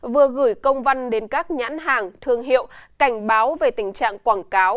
vừa gửi công văn đến các nhãn hàng thương hiệu cảnh báo về tình trạng quảng cáo